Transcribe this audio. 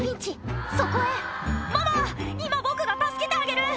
そこへ「ママ今僕が助けてあげる！」